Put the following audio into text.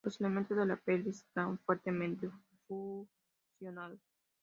Los elementos de la pelvis están fuertemente fusionados.